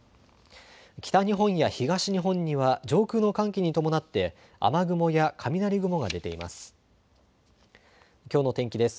北日本や東日本には上空の寒気に伴って雨雲や雷雲が出ています。